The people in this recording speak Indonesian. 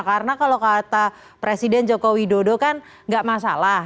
karena kalau kata presiden jokowi dodo kan enggak masalah